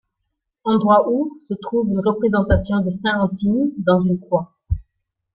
Endroit où se trouve une représentation de St Anthime dans une croix.